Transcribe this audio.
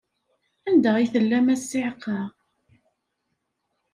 Anda ay tellam a ssiɛqa?